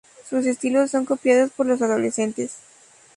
Sus estilos son copiados por las adolescentes.